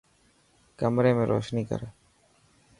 ڪمري ۾ روشني ڪر.